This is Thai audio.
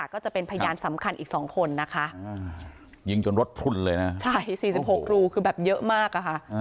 ก็จะเป็นพยานสำคัญอีก๒คนนะคะยิงจนรถพลุนเลยนะใช่๔๖รูคือแบบเยอะมากอะค่ะ